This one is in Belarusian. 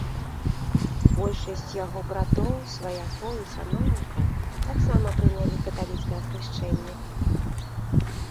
Большасць яго братоў, сваякоў і саноўнікаў таксама прынялі каталіцкае хрышчэнне.